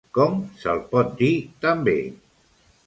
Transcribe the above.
Com se'l pot dir també?